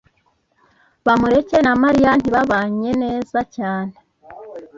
Bamureke na Mariya ntibabanye neza cyane.